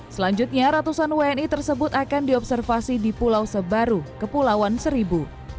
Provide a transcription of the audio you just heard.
selanjutnya ratusan wni tersebut akan diobservasi di pulau sebaru kepulauan seribu